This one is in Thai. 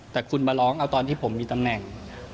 แต่คุณมาร้องเอาตอนที่ผมมีตำแหน่ง